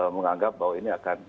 menganggap bahwa ini akan